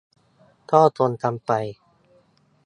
ก็ทนกันไป